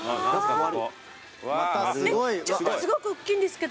えっちょっとすごくおっきいんですけど。